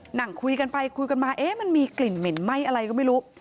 นั่งคุยกันไปคุยกันมาเอ๊ะมันมีกลิ่นเหม็นไหม้อะไรก็ไม่รู้